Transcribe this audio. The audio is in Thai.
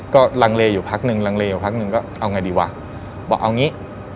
ก็ลังเลอยู่พักนึงลังเลอยู่พักหนึ่งก็เอาไงดีวะบอกเอางี้